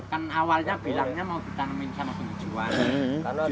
kan awalnya bilangnya mau ditanamin sama penghijauan